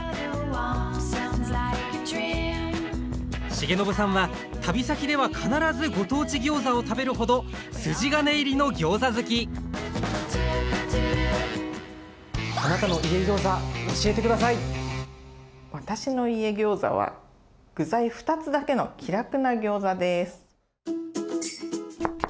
重信さんは旅先では必ずご当地ギョーザを食べるほど筋金入りのギョーザ好き私の「家ギョーザ」は具材２つだけの気楽なギョーザです！